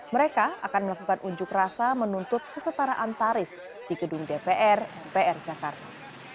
mereka akan melakukan unjuk rasa menuntut kesetaraan tarif di gedung dpr mpr jakarta